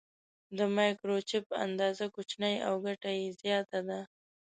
د مایکروچپ اندازه کوچنۍ او ګټه یې زیاته ده.